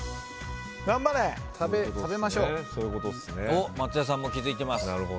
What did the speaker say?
おっ松也さんも気付いてます。